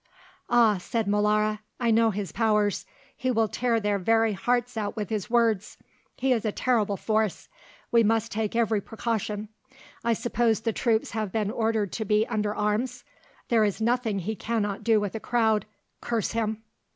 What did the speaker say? "Ah," said Molara, "I know his powers; he will tear their very hearts out with his words. He is a terrible force; we must take every precaution. I suppose the troops have been ordered to be under arms? There is nothing he cannot do with a crowd, curse him!"